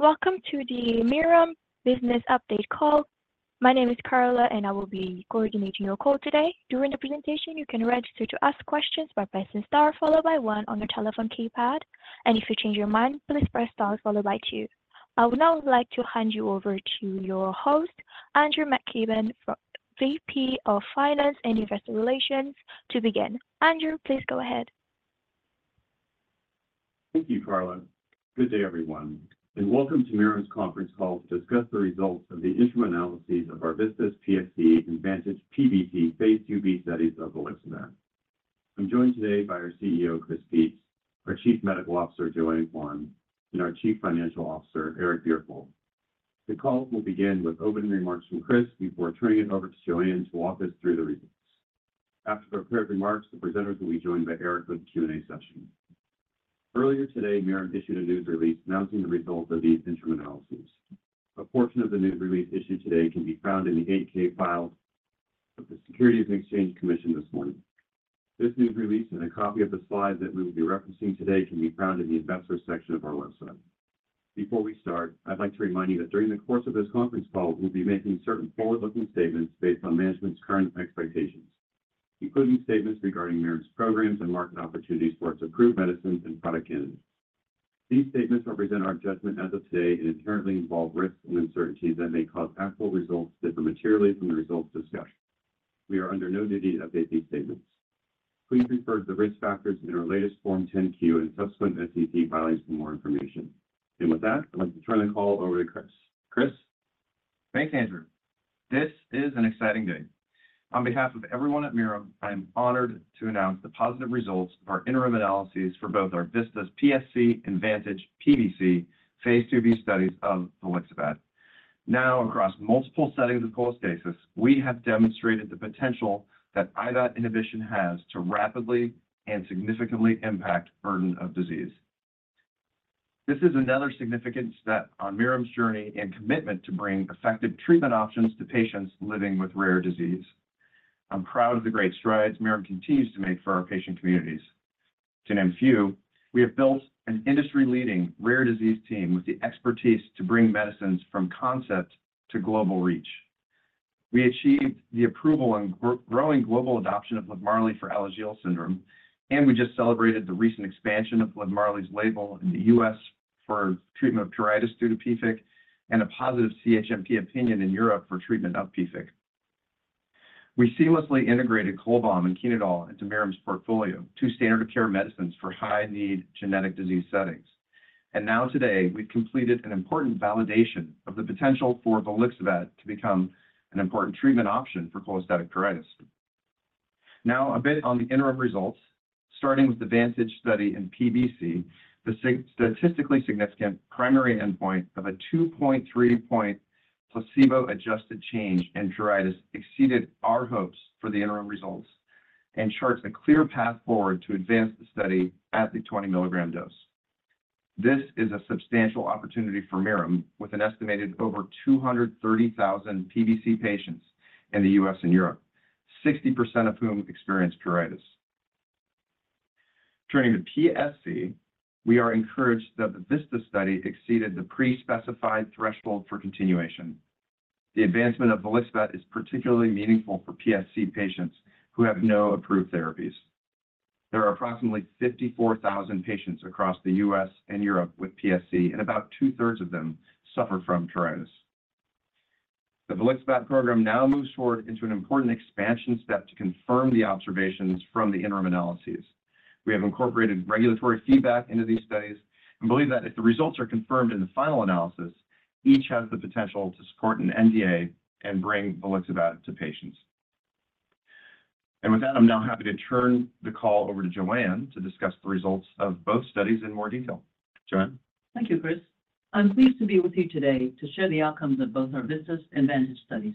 Welcome to the Mirum Business Update call. My name is Carla, and I will be coordinating your call today. During the presentation, you can register to ask questions by pressing star followed by one on the telephone keypad, and if you change your mind, please press star followed by two. I would now like to hand you over to your host, Andrew McKibben, VP of Finance and Investor Relations, to begin. Andrew, please go ahead. Thank you, Carla. Good day, everyone, and welcome to Mirum's conference call to discuss the results of the interim analyses of VISTAS PSC and VANTAGE PBC phase II-B studies of the volixibat. I'm joined today by our CEO, Chris Peetz; our Chief Medical Officer, Joanne Quan; and our Chief Financial Officer, Eric Bjerkholt. The call will begin with opening remarks from Chris before turning it over to Joanne to walk us through the results. After prepared remarks, the presenters will be joined by Eric for the Q&A session. Earlier today, Mirum issued a news release announcing the results of these interim analyses. A portion of the news release issued today can be found in the 8-K file of the Securities and Exchange Commission this morning. This news release and a copy of the slides that we will be referencing today can be found in the investor section of our website. Before we start, I'd like to remind you that during the course of this conference call, we'll be making certain forward-looking statements based on management's current expectations, including statements regarding Mirum's programs and market opportunities for its approved medicines and product candidates. These statements represent our judgment as of today and inherently involve risks and uncertainties that may cause actual results to differ materially from the results discussed. We are under no duty to update these statements. Please refer to the risk factors in our latest Form 10-Q and subsequent SEC filings for more information. With that, I'd like to turn the call over to Chris. Chris? Thanks, Andrew. This is an exciting day. On behalf of everyone at Mirum, I am honored to announce the positive results of our interim analyses for both VISTAS PSC and VANTAGE PBC phase II-B studies of volixibat. Now, across multiple settings of cholestasis, we have demonstrated the potential that IBAT inhibition has to rapidly and significantly impact the burden of disease. This is another significant step on Mirum's journey and commitment to bring effective treatment options to patients living with rare disease. I'm proud of the great strides Mirum continues to make for our patient communities. To name a few, we have built an industry-leading rare disease team with the expertise to bring medicines from concept to global reach. We achieved the approval and growing global adoption of Livmarli for Alagille syndrome, and we just celebrated the recent expansion of Livmarli's label in the U.S. for treatment of pruritus due to PFIC and a positive CHMP opinion in Europe for treatment of PFIC. We seamlessly integrated CHOLBAM and CHENODAL into Mirum's portfolio, two standard-of-care medicines for high-need genetic disease settings. Now today, we've completed an important validation of the potential for volixibat to become an important treatment option for cholestatic pruritus. Now, a bit on the interim results. Starting with the VANTAGE study in PBC, the statistically significant primary endpoint of a 2.3-point placebo-adjusted change in pruritus exceeded our hopes for the interim results and charts a clear path forward to advance the study at the 20 mg dose. This is a substantial opportunity for Mirum, with an estimated over 230,000 PBC patients in the U.S. and Europe, 60% of whom experience pruritus. Turning to PSC, we are encouraged that the VISTAS study exceeded the pre-specified threshold for continuation. The advancement of volixibat is particularly meaningful for PSC patients who have no approved therapies. There are approximately 54,000 patients across the U.S. and Europe with PSC, and about two-thirds of them suffer from pruritus. The volixibat program now moves forward into an important expansion step to confirm the observations from the interim analyses. We have incorporated regulatory feedback into these studies and believe that if the results are confirmed in the final analysis, each has the potential to support an NDA and bring volixibat to patients. And with that, I'm now happy to turn the call over to Joanne to discuss the results of both studies in more detail. Joanne? Thank you, Chris. I'm pleased to be with you today to share the outcomes of both our VISTAS and VANTAGE studies.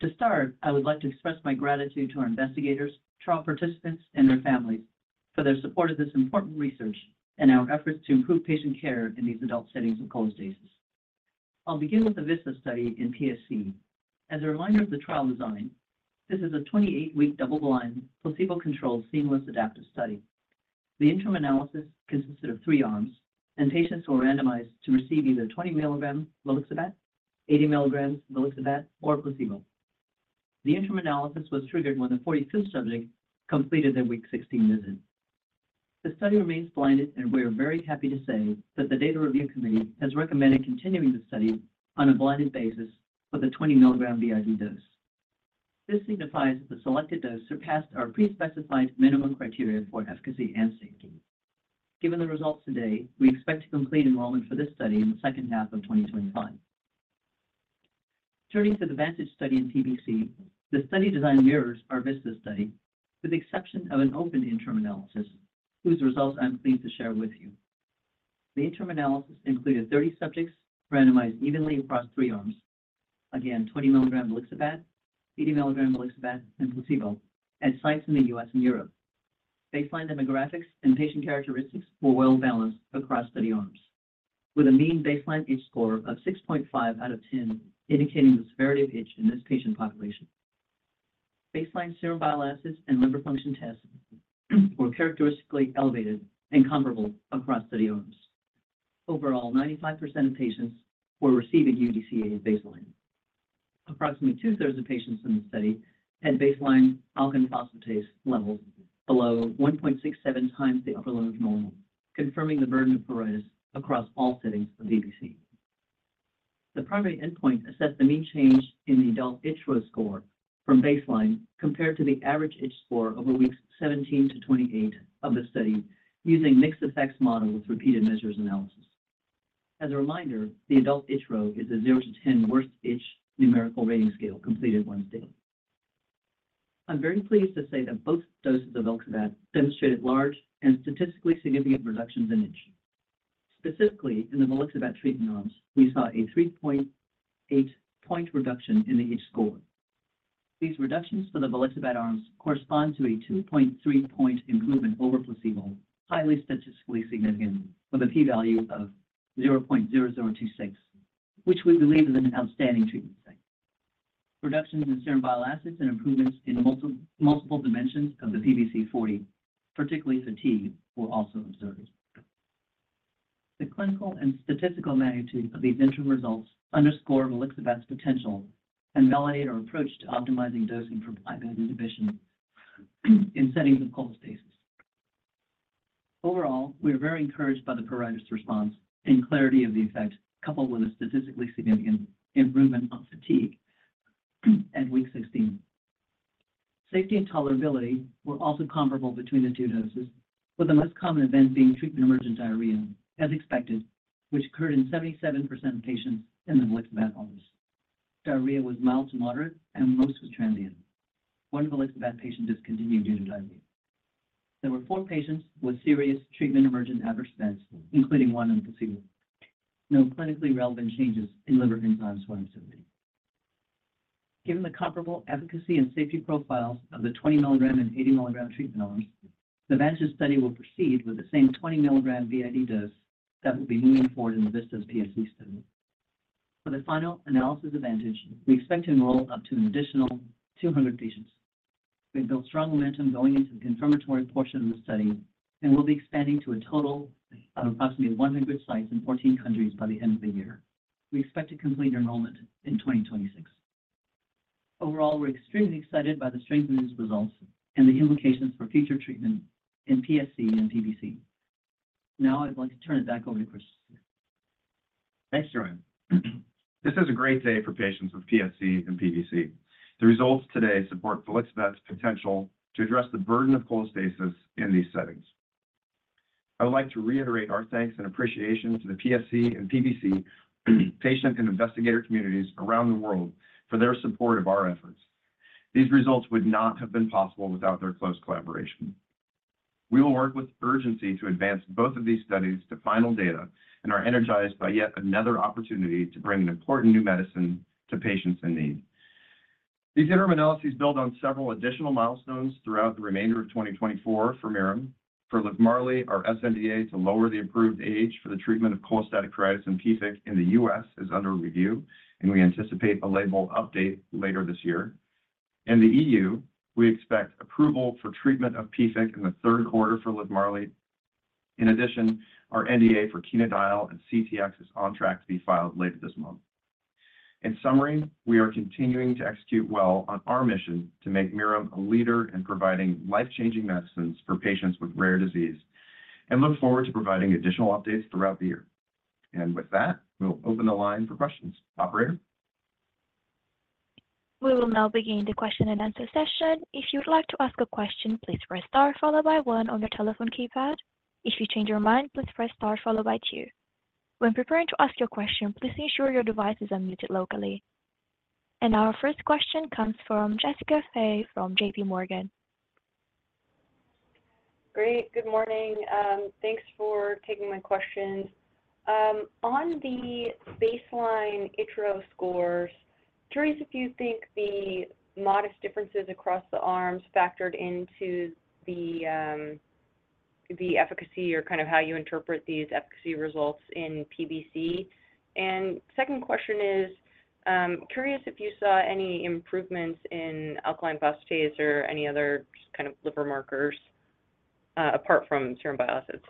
To start, I would like to express my gratitude to our investigators, trial participants, and their families for their support of this important research and our efforts to improve patient care in these adult settings of cholestasis. I'll begin with the VISTAS study in PSC. As a reminder of the trial design, this is a 28-week double-blind, placebo-controlled, seamless adaptive study. The interim analysis consisted of three arms, and patients were randomized to receive either 20 mg volixibat, 80 mg volixibat, or placebo. The interim analysis was triggered when the 45th subject completed their week 16 visit. The study remains blinded, and we are very happy to say that the data review committee has recommended continuing the study on a blinded basis with a 20 mg b.i.d. dose. This signifies that the selected dose surpassed our pre-specified minimum criteria for efficacy and safety. Given the results today, we expect to complete enrollment for this study in the second half of 2025. Turning to the VANTAGE study in PBC, the study design mirrors our VISTAS study, with the exception of an open interim analysis, whose results I'm pleased to share with you. The interim analysis included 30 subjects randomized evenly across three arms, again, 20 mg volixibat, 80 mg volixibat, and placebo, at sites in the U.S. and Europe. Baseline demographics and patient characteristics were well balanced across study arms, with a mean baseline itch score of 6.5 out of 10, indicating the severity of itch in this patient population. Baseline serum bile acids and liver function tests were characteristically elevated and comparable across study arms. Overall, 95% of patients were receiving UDCA at baseline. Approximately 2/3 of patients in the study had baseline alkaline phosphatase levels below 1.67x the upper limit of normal, confirming the burden of pruritus across all settings of PBC. The primary endpoint assessed the mean change in the Adult ItchRO score from baseline compared to the average ItchRO score over weeks 17 to 28 of the study using mixed effects model with repeated measures analysis. As a reminder, the Adult ItchRO is a 0 to 10 worst ItchRO numerical rating scale completed once daily. I'm very pleased to say that both doses of volixibat demonstrated large and statistically significant reductions in itch. Specifically, in the volixibat treatment arms, we saw a 3.8-point reduction in the ItchRO score. These reductions for the volixibat arms correspond to a 2.3-point improvement over placebo, highly statistically significant, with a p-value of 0.0026, which we believe is an outstanding treatment setting. Reductions in serum bile acids and improvements in multiple dimensions of the PBC-40, particularly fatigue, were also observed. The clinical and statistical magnitude of these interim results underscore volixibat's potential and validate our approach to optimizing dosing for IBAT inhibition in settings of cholestasis. Overall, we are very encouraged by the pruritus response and clarity of the effect, coupled with a statistically significant improvement on fatigue at week 16. Safety and tolerability were also comparable between the two doses, with the most common event being treatment-emergent diarrhea, as expected, which occurred in 77% of patients in the volixibat arms. Diarrhea was mild to moderate, and most was transient. One of the volixibat patients discontinued due to diarrhea. There were four patients with serious treatment-emergent adverse events, including one on placebo. No clinically relevant changes in liver enzymes were observed. Given the comparable efficacy and safety profiles of the 20 mg and 80 mg treatment arms, the VANTAGE study will proceed with the same 20 mg b.i.d. dose that will be moving forward in the VISTAS PSC study. For the final analysis of VANTAGE, we expect to enroll up to an additional 200 patients. We have built strong momentum going into the confirmatory portion of the study and will be expanding to a total of approximately 100 sites in 14 countries by the end of the year. We expect to complete enrollment in 2026. Overall, we're extremely excited by the strength of these results and the implications for future treatment in PSC and PBC. Now, I'd like to turn it back over to Chris. Thanks, Joanne. This is a great day for patients with PSC and PBC. The results today support the volixibat's potential to address the burden of cholestasis in these settings. I would like to reiterate our thanks and appreciation to the PSC and PBC patient and investigator communities around the world for their support of our efforts. These results would not have been possible without their close collaboration. We will work with urgency to advance both of these studies to final data, and are energized by yet another opportunity to bring an important new medicine to patients in need. These interim analyses build on several additional milestones throughout the remainder of 2024 for Mirum. For Livmarli, our sNDA to lower the approved age for the treatment of cholestatic pruritus and PFIC in the U.S. is under review, and we anticipate a label update later this year. In the EU, we expect approval for treatment of PFIC in the third quarter for Livmarli. In addition, our NDA for CHENODAL and CTX is on track to be filed later this month. In summary, we are continuing to execute well on our mission to make Mirum a leader in providing life-changing medicines for patients with rare disease and look forward to providing additional updates throughout the year. And with that, we'll open the line for questions. Operator? We will now begin the question and answer session. If you would like to ask a question, please press star followed by one on your telephone keypad. If you change your mind, please press star followed by two. When preparing to ask your question, please ensure your device is unmuted locally. Our first question comes from Jessica Fye from JPMorgan. Great. Good morning. Thanks for taking my question. On the baseline ItchRO scores, curious if you think the modest differences across the arms factored into the efficacy or kind of how you interpret these efficacy results in PBC. And second question is, curious if you saw any improvements in alkaline phosphatase or any other kind of liver markers apart from serum bile acids.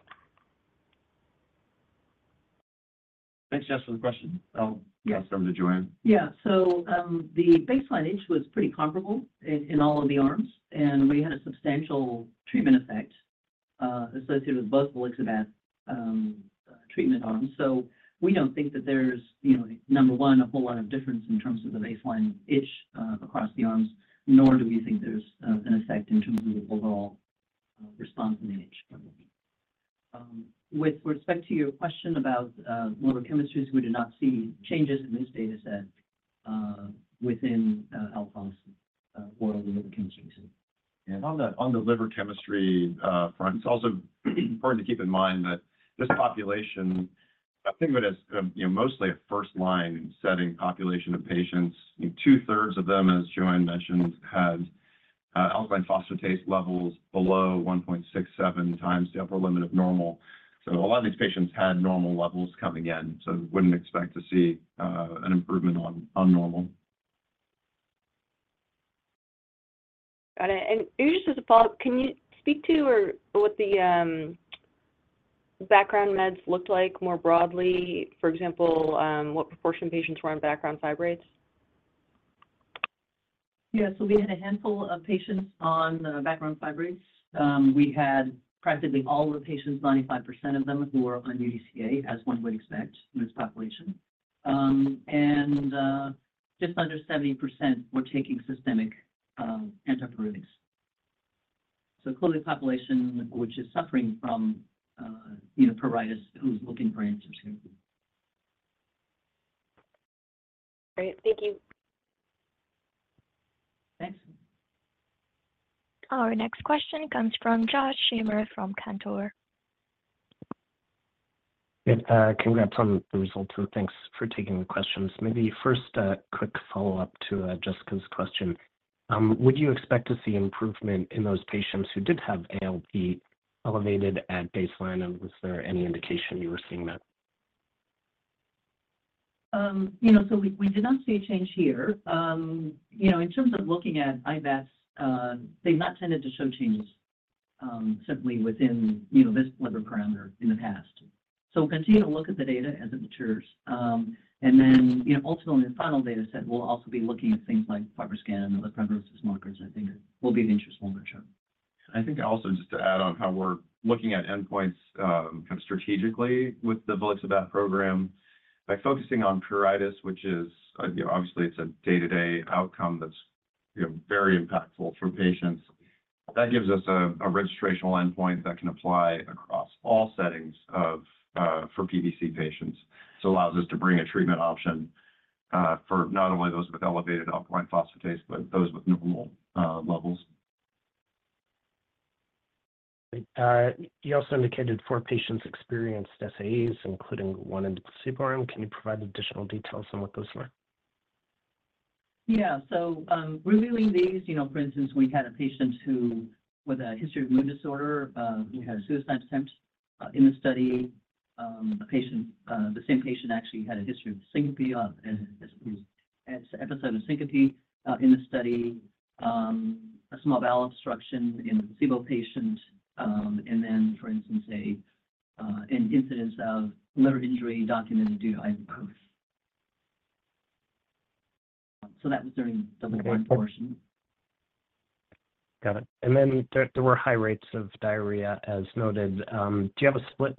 Thanks, Jess, for the question. I'll pass it over to Joanne. Yeah. So the baseline ItchRO was pretty comparable in all of the arms, and we had a substantial treatment effect associated with both the volixibat treatment arms. So we don't think that there's, number one, a whole lot of difference in terms of the baseline ItchRO across the arms, nor do we think there's an effect in terms of the overall response in the ItchRO. With respect to your question about liver chemistries, we did not see changes in this dataset within the alkaline chemistry. On the liver chemistry front, it's also important to keep in mind that this population, I think of it as mostly a first-line setting population of patients. 2/3 of them, as Joanne mentioned, had alkaline phosphatase levels below 1.67x the upper limit of normal. So a lot of these patients had normal levels coming in, so we wouldn't expect to see an improvement on normal. Got it. Just as a follow-up, can you speak to what the background meds looked like more broadly? For example, what proportion of patients were on background fibrates? Yeah. So we had a handful of patients on the background fibrates. We had practically all of the patients, 95% of them who were on UDCA, as one would expect in this population. And just under 70% were taking systemic antipruritics. So clearly, the population which is suffering from pruritus who's looking for answers here. Great. Thank you. Thanks. Our next question comes from Josh Schimmer from Cantor. Yeah. Can we have some of the results? Thanks for taking the questions. Maybe first, a quick follow-up to Jessica's question. Would you expect to see improvement in those patients who did have ALP elevated at baseline, and was there any indication you were seeing that? We did not see a change here. In terms of looking at IBATs, they've not tended to show changes simply within this liver parameter in the past. We'll continue to look at the data as it matures. Then ultimately, in the final dataset, we'll also be looking at things like FibroScan and other prognosis markers, I think, will be of interest longer term. I think also, just to add on how we're looking at endpoints kind of strategically with the volixibat program, by focusing on pruritus, which is obviously a day-to-day outcome that's very impactful for patients, that gives us a registrational endpoint that can apply across all settings for PBC patients. So it allows us to bring a treatment option for not only those with elevated alkaline phosphatase, but those with normal levels. You also indicated four patients experienced SAEs, including one in the placebo arm. Can you provide additional details on what those were? Yeah. So reviewing these, for instance, we had a patient with a history of mood disorder. We had a suicide attempt in the study. The same patient actually had a history of syncope, an episode of syncope in the study, a small bowel obstruction in a placebo patient, and then, for instance, an incidence of liver injury documented due to Ibuprofen. So that was during the liver portion. Got it. And then there were high rates of diarrhea, as noted. Do you have a split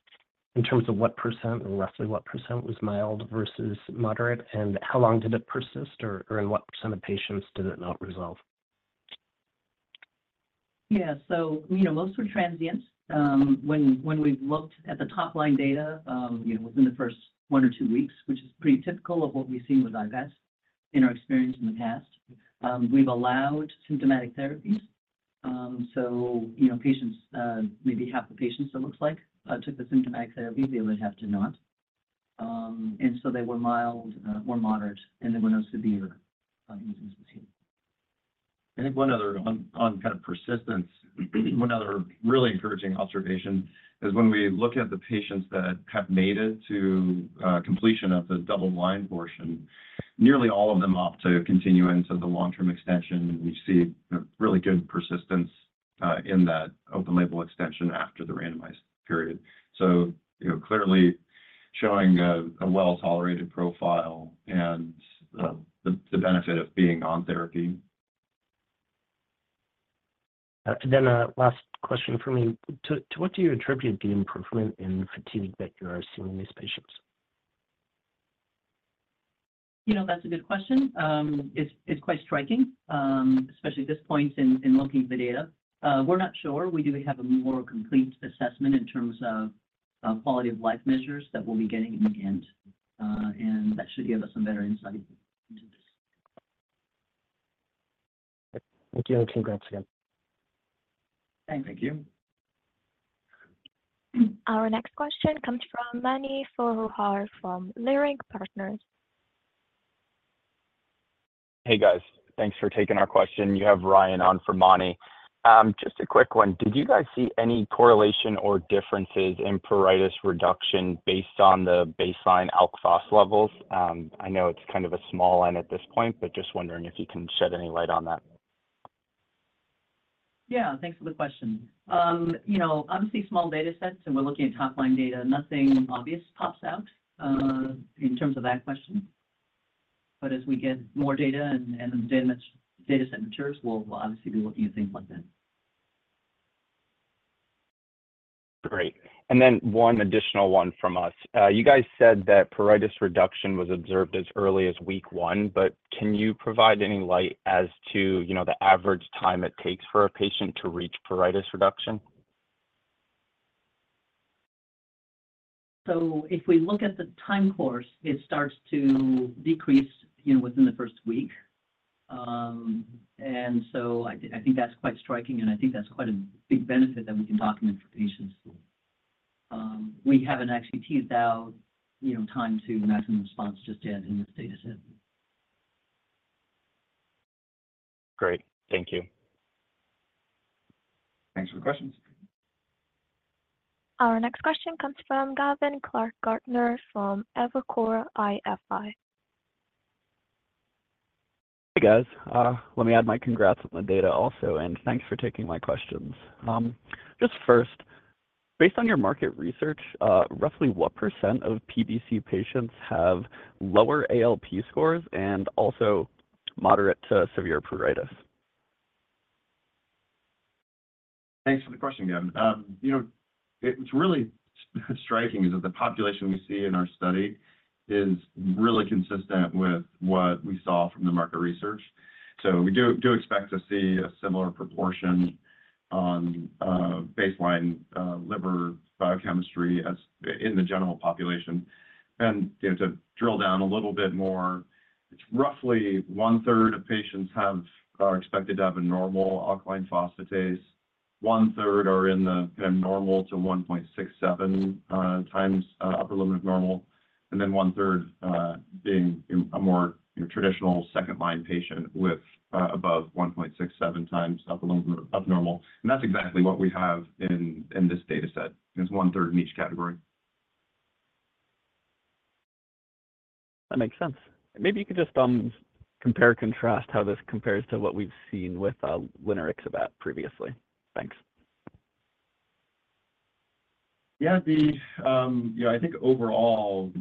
in terms of what %, or roughly what %, was mild versus moderate, and how long did it persist, or in what % of patients did it not resolve? Yeah. So most were transient. When we've looked at the top-line data within the first one or two weeks, which is pretty typical of what we've seen with IBATs in our experience in the past, we've allowed symptomatic therapies. So maybe half the patients, it looks like, took the symptomatic therapy. The other half did not. And so they were mild or moderate, and there were no severe incidences. I think one other on kind of persistence, one other really encouraging observation is when we look at the patients that have made it to completion of the double-blind portion, nearly all of them opt to continue into the long-term extension. We see really good persistence in that open-label extension after the randomized period. So clearly showing a well-tolerated profile and the benefit of being on therapy. Then a last question for me. To what do you attribute the improvement in fatigue that you are seeing in these patients? That's a good question. It's quite striking, especially at this point in looking at the data. We're not sure. We do have a more complete assessment in terms of quality of life measures that we'll be getting in the end, and that should give us some better insight into this. Thank you. Congrats again. Thanks. Thank you. Our next question comes from Mani Foroohar from Leerink Partners. Hey, guys. Thanks for taking our question. You have Ryan on for Mani. Just a quick one. Did you guys see any correlation or differences in pruritus reduction based on the baseline alk phos levels? I know it's kind of a small one at this point, but just wondering if you can shed any light on that. Yeah. Thanks for the question. Obviously, small datasets, and we're looking at top-line data. Nothing obvious pops out in terms of that question. But as we get more data and the dataset matures, we'll obviously be looking at things like that. Great. And then one additional one from us. You guys said that pruritus reduction was observed as early as week one, but can you provide any light as to the average time it takes for a patient to reach pruritus reduction? If we look at the time course, it starts to decrease within the first week. I think that's quite striking, and I think that's quite a big benefit that we can document for patients. We haven't actually teased out time to maximum response just yet in this dataset. Great. Thank you. Thanks for the questions. Our next question comes from Gavin Clark-Gartner from Evercore ISI. Hey, guys. Let me add my congrats on the data also, and thanks for taking my questions. Just first, based on your market research, roughly what % of PBC patients have lower ALP scores and also moderate to severe pruritus? Thanks for the question, Gavin. What's really striking is that the population we see in our study is really consistent with what we saw from the market research. We do expect to see a similar proportion on baseline liver biochemistry in the general population. To drill down a little bit more, it's roughly one-third of patients are expected to have a normal alkaline phosphatase. 1/3 are in the kind of normal to 1.67x upper limit of normal, and then 1/3 being a more traditional second-line patient with above 1.67x upper limit of normal. That's exactly what we have in this dataset. It's 1/3 in each category. That makes sense. Maybe you could just compare and contrast how this compares to what we've seen with linerixibat previously. Thanks. Yeah. I think overall,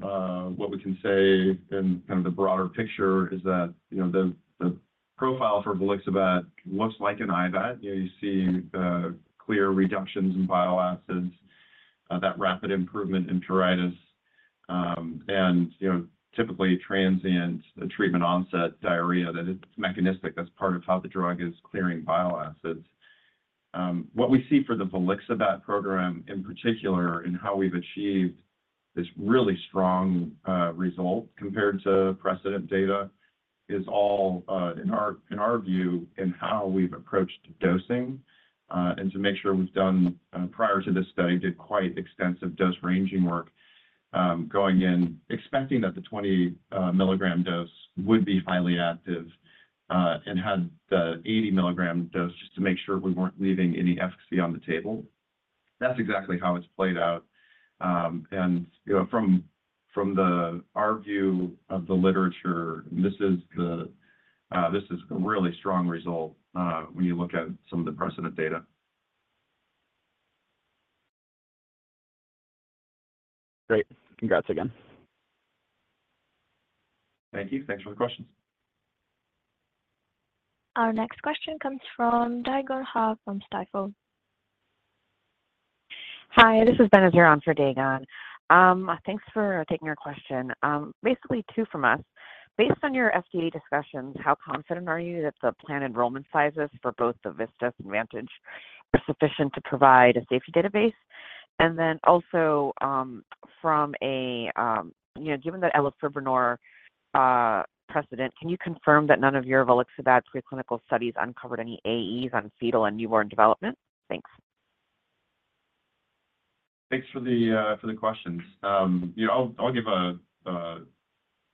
what we can say in kind of the broader picture is that the profile for volixibat looks like an IBAT. You see clear reductions in bile acids, that rapid improvement in pruritus, and typically transient treatment onset diarrhea that is mechanistic. That's part of how the drug is clearing bile acids. What we see for the volixibat program in particular, and how we've achieved this really strong result compared to precedent data, is all, in our view, in how we've approached dosing. And to make sure we've done, prior to this study, did quite extensive dose ranging work, going in expecting that the 20 mg dose would be highly active and had the 80 mg dose just to make sure we weren't leaving any efficacy on the table. That's exactly how it's played out. From our view of the literature, this is a really strong result when you look at some of the precedent data. Great. Congrats again. Thank you. Thanks for the questions. Our next question comes from Dae Gon Ha from Stifel. Hi. This is Benazir on for Dae Gon. Thanks for taking our question. Basically, two from us. Based on your FDA discussions, how confident are you that the planned enrollment sizes for both the VISTAS and VANTAGE are sufficient to provide a safety database? And then also from a given the elafibranor precedent, can you confirm that none of your volixibat preclinical studies uncovered any AEs on fetal and newborn development? Thanks. Thanks for the questions. I'll give a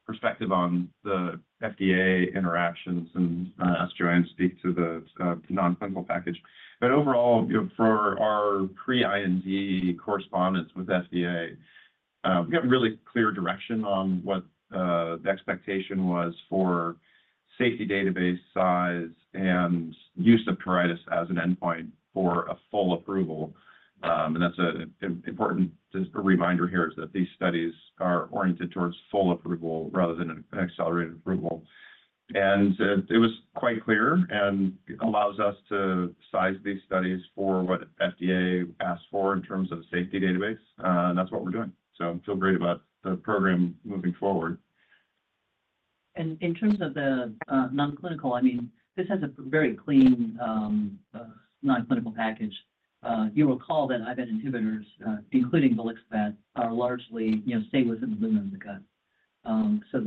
perspective on the FDA interactions and ask Joanne to speak to the nonclinical package. But overall, for our pre-IND correspondence with FDA, we have really clear direction on what the expectation was for safety database size and use of pruritus as an endpoint for a full approval. And that's an important reminder here is that these studies are oriented towards full approval rather than an accelerated approval. And it was quite clear and allows us to size these studies for what FDA asked for in terms of a safety database. And that's what we're doing. So feel great about the program moving forward. And in terms of the nonclinical, I mean, this has a very clean nonclinical package. You'll recall that IBAT inhibitors, including volixibat, are largely stay within the lumen of the gut. So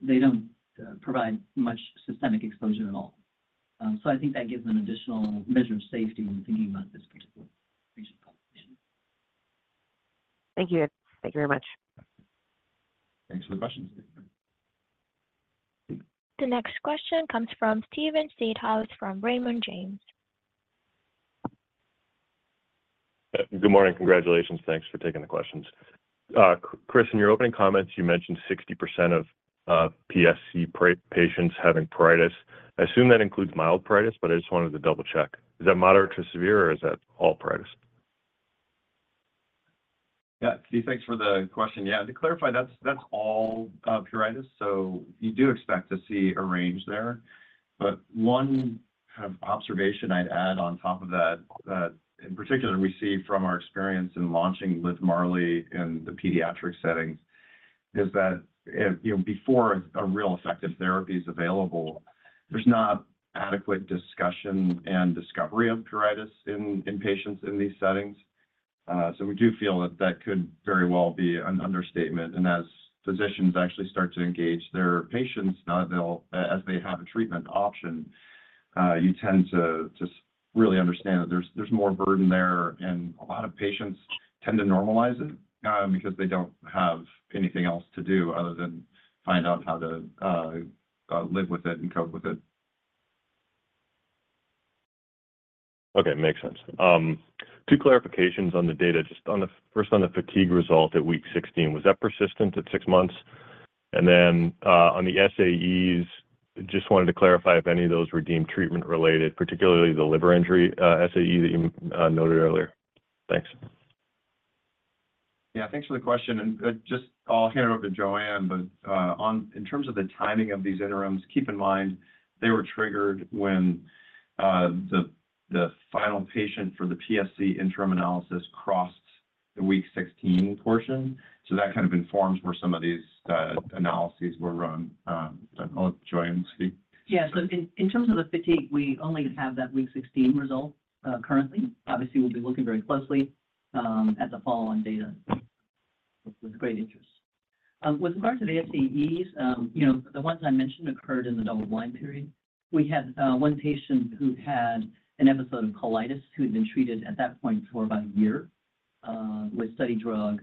they don't provide much systemic exposure at all. So I think that gives an additional measure of safety when thinking about this particular region of population. Thank you. Thank you very much. Thanks for the questions. The next question comes from Steven Seedhouse from Raymond James. Good morning. Congratulations. Thanks for taking the questions. Chris, in your opening comments, you mentioned 60% of PSC patients having pruritus. I assume that includes mild pruritus, but I just wanted to double-check. Is that moderate to severe, or is that all pruritus? Yeah. Thanks for the question. Yeah. To clarify, that's all pruritus. So you do expect to see a range there. But one kind of observation I'd add on top of that, in particular, we see from our experience in launching with Livmarli in the pediatric settings, is that before a real effective therapy is available, there's not adequate discussion and discovery of pruritus in patients in these settings. So we do feel that that could very well be an understatement. And as physicians actually start to engage their patients, as they have a treatment option, you tend to really understand that there's more burden there. And a lot of patients tend to normalize it because they don't have anything else to do other than find out how to live with it and cope with it. Okay. Makes sense. Two clarifications on the data. Just first, on the fatigue result at week 16, was that persistent at six months? And then on the SAEs, just wanted to clarify if any of those were deemed treatment-related, particularly the liver injury SAE that you noted earlier. Thanks. Yeah. Thanks for the question. And just I'll hand it over to Joanne. But in terms of the timing of these interims, keep in mind they were triggered when the final patient for the PSC interim analysis crossed the week 16 portion. So that kind of informs where some of these analyses were run. I'll let Joanne speak. Yeah. So in terms of the fatigue, we only have that week 16 result currently. Obviously, we'll be looking very closely at the follow-on data with great interest. With regard to the SAEs, the ones I mentioned occurred in the double-blind period. We had one patient who had an episode of colitis who had been treated at that point for about a year with study drug,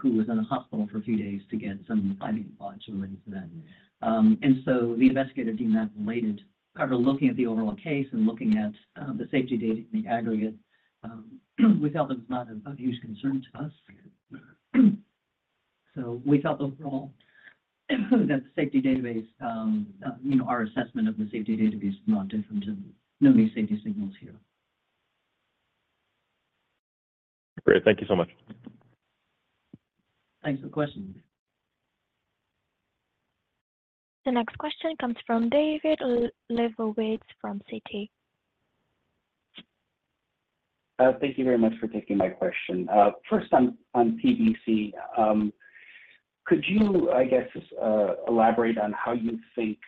who was in the hospital for a few days to get some IV support related to that. And so the investigator deemed that related. However, looking at the overall case and looking at the safety data in the aggregate, we felt it was not a huge concern to us. So we felt overall that the safety database, our assessment of the safety database is not different. No new safety signals here. Great. Thank you so much. Thanks for the question. The next question comes from David Lebowitz from Citi. Thank you very much for taking my question. First, on PBC, could you, I guess, elaborate on how you think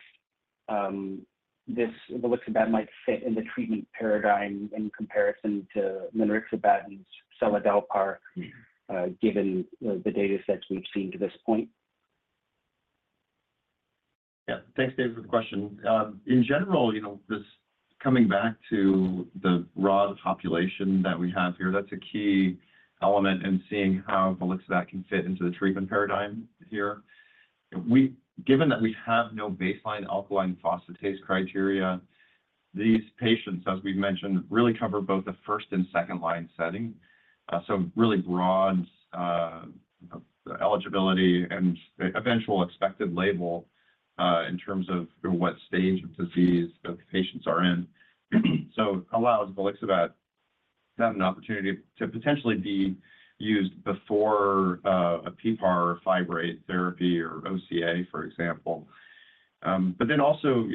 this volixibat might fit in the treatment paradigm in comparison to linerixibat and seladelpar given the datasets we've seen to this point? Yeah. Thanks, David, for the question. In general, just coming back to the broad population that we have here, that's a key element in seeing how volixibat can fit into the treatment paradigm here. Given that we have no baseline alkaline phosphatase criteria, these patients, as we've mentioned, really cover both the first and second-line setting. So really broad eligibility and eventual expected label in terms of what stage of disease the patients are in. So allows volixibat to have an opportunity to potentially be used before a PPAR or fibrate therapy or OCA, for example. But then also,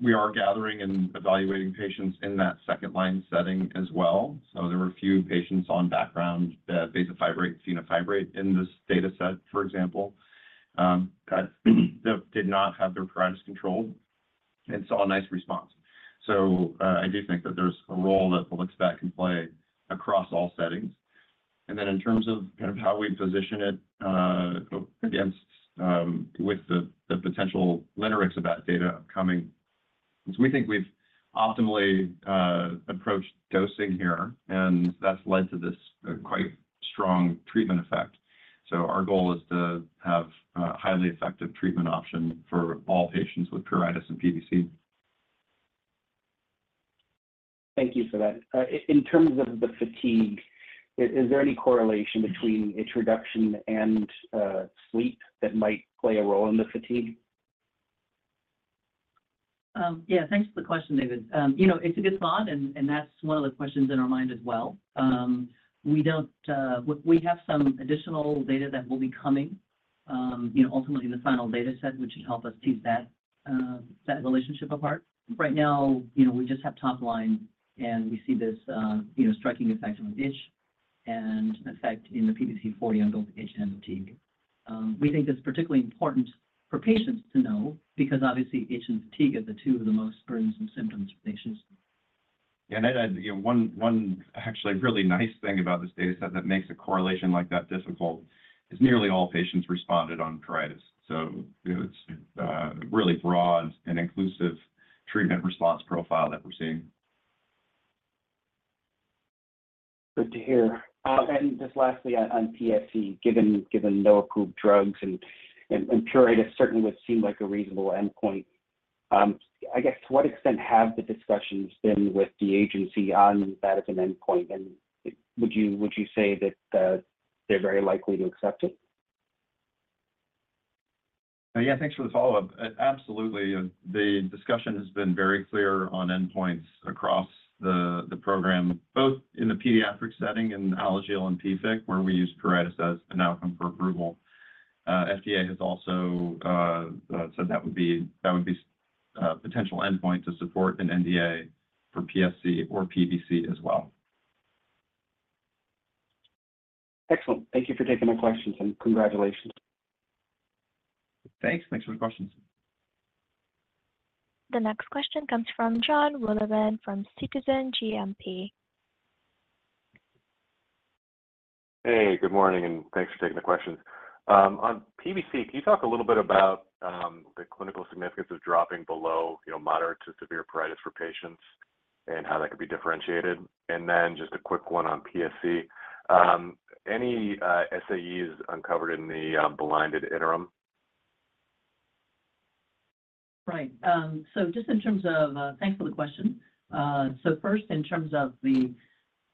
we are gathering and evaluating patients in that second-line setting as well. So there were a few patients on background bezafibrate and fenofibrate in this dataset, for example, that did not have their pruritus controlled and saw a nice response. I do think that there's a role that volixibat can play across all settings. Then in terms of kind of how we position it against with the potential linerixibat data coming, we think we've optimally approached dosing here, and that's led to this quite strong treatment effect. Our goal is to have a highly effective treatment option for all patients with pruritus and PBC. Thank you for that. In terms of the fatigue, is there any correlation between its reduction and sleep that might play a role in the fatigue? Yeah. Thanks for the question, David. It's a good thought, and that's one of the questions in our mind as well. We have some additional data that will be coming, ultimately in the final dataset, which should help us tease that relationship apart. Right now, we just have top line, and we see this striking effect on itch and effect in the PBC-40 on both itch and fatigue. We think it's particularly important for patients to know because, obviously, itch and fatigue are the two of the most burdensome symptoms for patients. Yeah. One actually really nice thing about this dataset that makes a correlation like that difficult is nearly all patients responded on pruritus. It's a really broad and inclusive treatment response profile that we're seeing. Good to hear. And just lastly, on PSC, given no approved drugs and pruritus certainly would seem like a reasonable endpoint, I guess, to what extent have the discussions been with the agency on that as an endpoint? And would you say that they're very likely to accept it? Yeah. Thanks for the follow-up. Absolutely. The discussion has been very clear on endpoints across the program, both in the pediatric setting and Alagille and PFIC, where we use pruritus as an outcome for approval. FDA has also said that would be a potential endpoint to support an NDA for PSC or PBC as well. Excellent. Thank you for taking my questions, and congratulations. Thanks. Thanks for the questions. The next question comes from John Wolleben from Citizens JMP. Hey. Good morning, and thanks for taking the questions. On PBC, can you talk a little bit about the clinical significance of dropping below moderate to severe pruritus for patients and how that could be differentiated? And then just a quick one on PSC. Any SAEs uncovered in the blinded interim? Right. So just in terms of thanks for the question. So first, in terms of the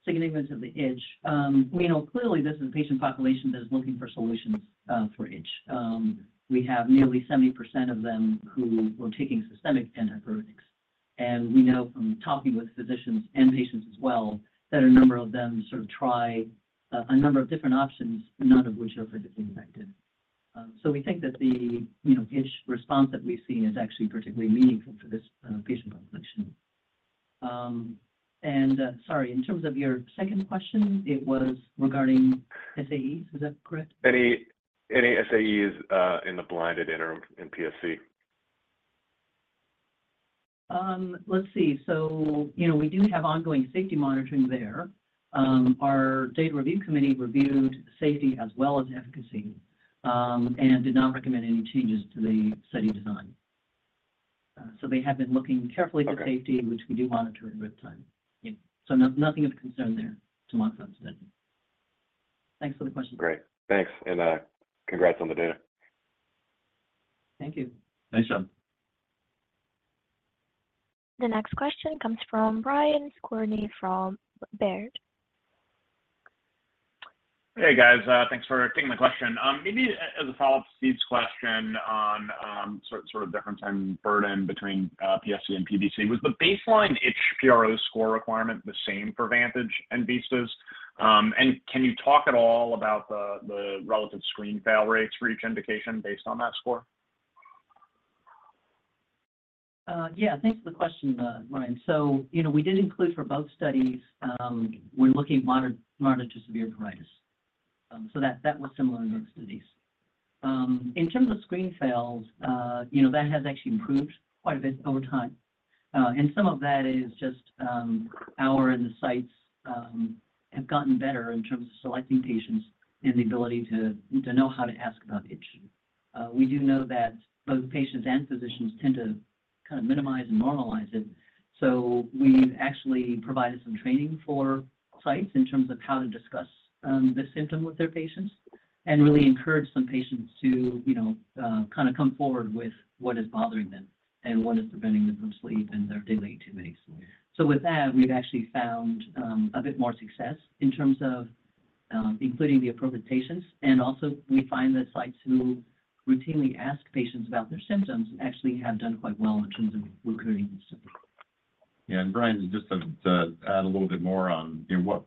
significance of the itch, we know clearly this is a patient population that is looking for solutions for itch. We have nearly 70% of them who were taking systemic antipyretics. And we know from talking with physicians and patients as well that a number of them sort of try a number of different options, none of which are particularly effective. So we think that the itch response that we've seen is actually particularly meaningful for this patient population. And sorry, in terms of your second question, it was regarding SAEs. Is that correct? Any SAEs in the blinded interim in PSC? Let's see. So we do have ongoing safety monitoring there. Our data review committee reviewed safety as well as efficacy and did not recommend any changes to the study design. So they have been looking carefully at safety, which we do monitor in real time. So nothing of concern there to my understanding. Thanks for the question. Great. Thanks. And congrats on the data. Thank you. Thanks, John. The next question comes from Brian Skorney from Baird. Hey, guys. Thanks for taking the question. Maybe as a follow-up to Steve's question on sort of difference in burden between PSC and PBC, was the baseline itchRO score requirement the same for VANTAGE and VISTAS? And can you talk at all about the relative screen fail rates for each indication based on that score? Yeah. Thanks for the question, Brian. So we did include for both studies, we're looking moderate to severe pruritus. So that was similar in both studies. In terms of screen fails, that has actually improved quite a bit over time. And some of that is just our and the sites have gotten better in terms of selecting patients and the ability to know how to ask about itch. We do know that both patients and physicians tend to kind of minimize and normalize it. So we actually provided some training for sites in terms of how to discuss the symptom with their patients and really encourage some patients to kind of come forward with what is bothering them and what is preventing them from sleep and their daily activities. So with that, we've actually found a bit more success in terms of including the appropriate patients. And also, we find that sites who routinely ask patients about their symptoms actually have done quite well in terms of recurring symptoms. Yeah. Brian, just to add a little bit more on what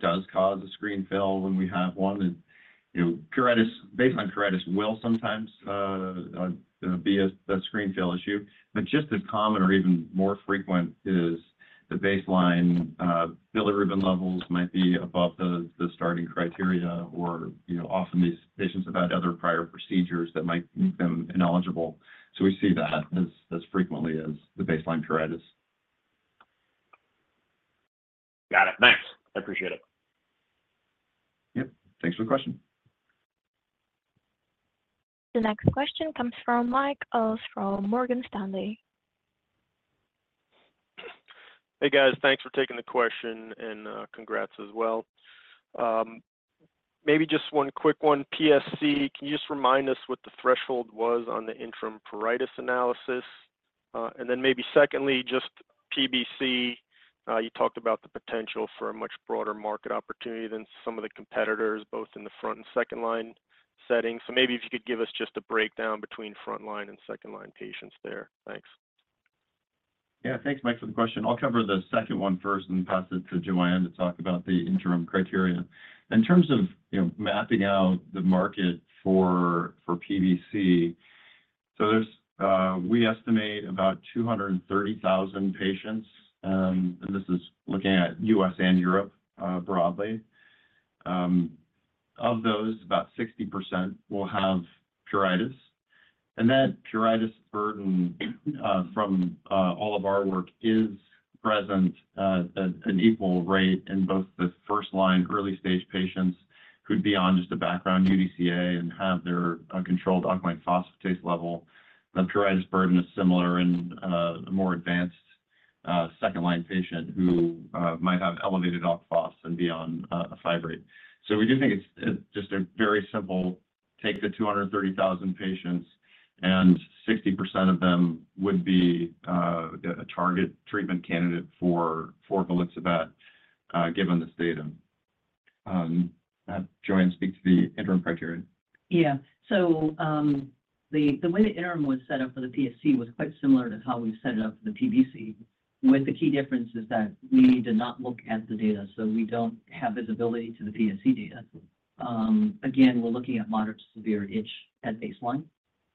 does cause a screen fail when we have one. Baseline pruritus will sometimes be a screen fail issue. But just as common or even more frequent is the baseline bilirubin levels might be above the starting criteria, or often these patients have had other prior procedures that might make them ineligible. So we see that as frequently as the baseline pruritus. Got it. Thanks. I appreciate it. Yep. Thanks for the question. The next question comes from Michael Ulz from Morgan Stanley. Hey, guys. Thanks for taking the question, and congrats as well. Maybe just one quick one. PSC, can you just remind us what the threshold was on the interim pruritus analysis? Maybe secondly, just PBC, you talked about the potential for a much broader market opportunity than some of the competitors, both in the front and second-line setting. Maybe if you could give us just a breakdown between front-line and second-line patients there. Thanks. Yeah. Thanks, Mike, for the question. I'll cover the second one first and pass it to Joanne to talk about the interim criteria. In terms of mapping out the market for PBC, we estimate about 230,000 patients, and this is looking at U.S. and Europe broadly. Of those, about 60% will have pruritus. That pruritus burden from all of our work is present at an equal rate in both the first-line early-stage patients who'd be on just a background UDCA and have their controlled alkaline phosphatase level. The pruritus burden is similar in a more advanced second-line patient who might have elevated alk phos and be on a fibrate. We do think it's just a very simple take the 230,000 patients, and 60% of them would be a target treatment candidate for volixibat given this data. Joanne, speak to the interim criteria. Yeah. So the way the interim was set up for the PSC was quite similar to how we've set it up for the PBC, with the key difference is that we need to not look at the data, so we don't have visibility to the PSC data. Again, we're looking at moderate to severe itch at baseline.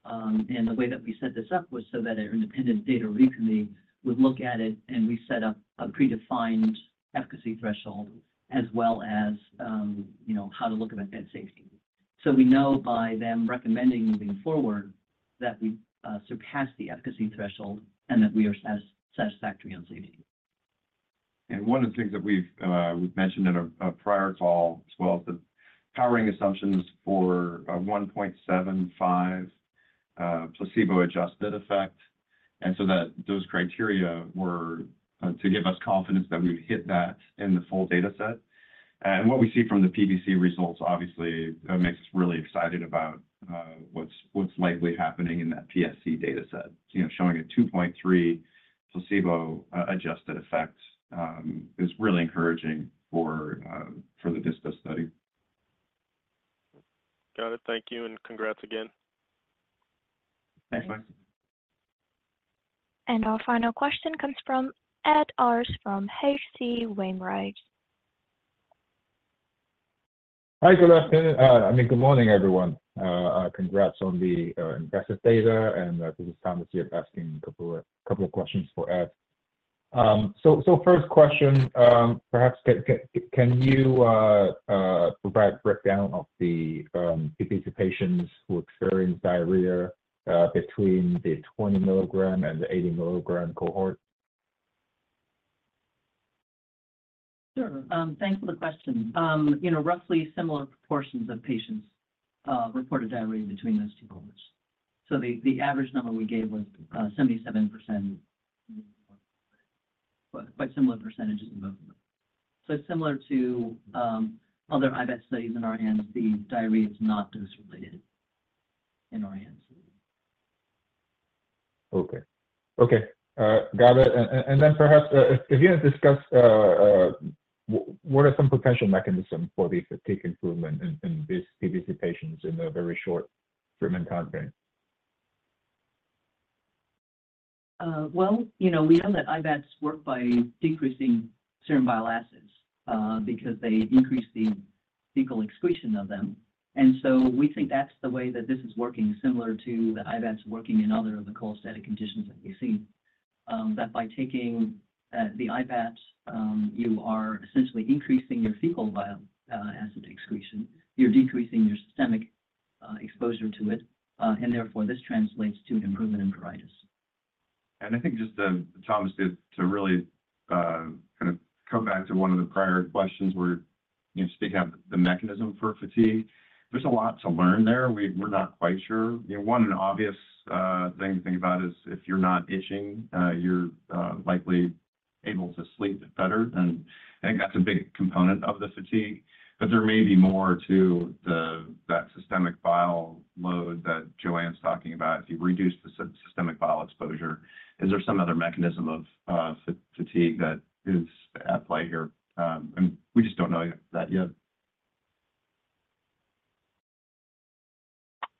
And the way that we set this up was so that our independent data review committee would look at it, and we set up a predefined efficacy threshold as well as how to look at safety. So we know by them recommending moving forward that we surpass the efficacy threshold and that we are satisfactory on safety. One of the things that we've mentioned in a prior call as well as the powering assumptions for a 1.75 placebo-adjusted effect. So those criteria were to give us confidence that we would hit that in the full dataset. What we see from the PBC results, obviously, makes us really excited about what's likely happening in that PSC dataset. Showing a 2.3 placebo-adjusted effect is really encouraging for the VISTAS study. Got it. Thank you, and congrats again. Thanks, Mike. Our final question comes from Ed Arce from H.C. Wainwright. Hi, Joanne. I mean, good morning, everyone. Congrats on the impressive data, and this is Thomas to start asking a couple of questions for Ed. So first question, perhaps, can you provide a breakdown of the patients who experience diarrhea between the 20 mg and the 80 mg cohort? Sure. Thanks for the question. Roughly similar proportions of patients reported diarrhea between those two cohorts. So the average number we gave was 77%, quite similar percentages in both of them. So similar to other IBAT studies in our hands, the diarrhea is not dose-related in our hands. Okay. Okay. Got it. And then perhaps, if you can discuss what are some potential mechanisms for these fatigue improvement in these PBC patients in a very short treatment timeframe? Well, we know that IBATs work by decreasing serum bile acids because they increase the fecal excretion of them. And so we think that's the way that this is working, similar to the IBATs working in other of the cholestatic conditions that we see, that by taking the IBAT, you are essentially increasing your fecal bile acid excretion. You're decreasing your systemic exposure to it, and therefore, this translates to an improvement in pruritus. And I think just, Thomas, to really kind of come back to one of the prior questions where speaking of the mechanism for fatigue, there's a lot to learn there. We're not quite sure. One obvious thing to think about is if you're not itching, you're likely able to sleep better. And I think that's a big component of the fatigue. But there may be more to that systemic bile load that Joanne's talking about. If you reduce the systemic bile exposure, is there some other mechanism of fatigue that is at play here? And we just don't know that yet.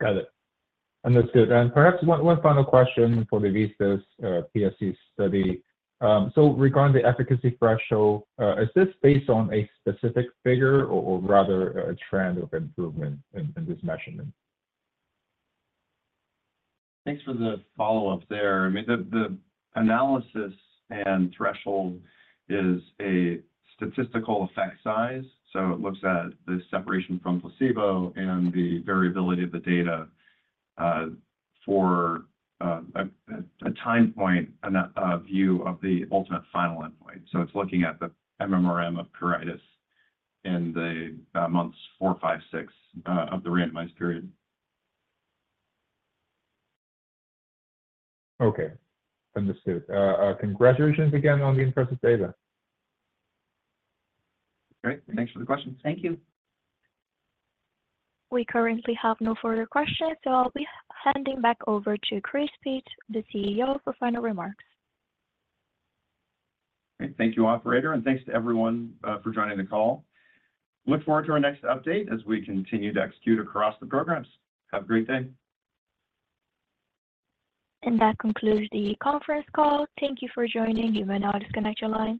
Got it. Understood. Perhaps one final question for the VISTAS PSC study. Regarding the efficacy threshold, is this based on a specific figure or rather a trend of improvement in this measurement? Thanks for the follow-up there. I mean, the analysis and threshold is a statistical effect size. So it looks at the separation from placebo and the variability of the data for a time point and a view of the ultimate final endpoint. So it's looking at the MMRM of pruritus in the months four, five, six of the randomized period. Okay. Understood. Congratulations again on the impressive data. Great. Thanks for the questions. Thank you. We currently have no further questions, so I'll be handing back over to Chris Peetz, the CEO, for final remarks. Okay. Thank you, operator. Thanks to everyone for joining the call. Look forward to our next update as we continue to execute across the programs. Have a great day. That concludes the conference call. Thank you for joining. You may now disconnect your line.